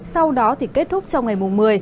sau đó thì kết thúc trong ngày mùng một mươi